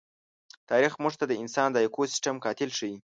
تاریخ موږ ته انسان د ایکوسېسټم قاتل ښيي.